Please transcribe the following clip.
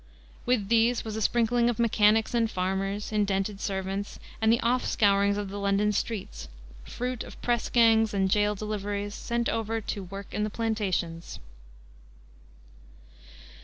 With these was a sprinkling of mechanics and farmers, indented servants, and the off scourings of the London streets, fruit of press gangs and jail deliveries, sent over to "work in the plantations."